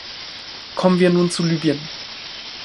Kommen wir nun zu Libyen.